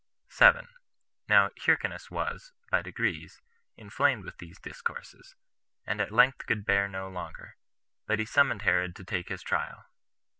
7. Now Hyrcanus was, by degrees, inflamed with these discourses, and at length could bear no longer, but he summoned Herod to take his trial.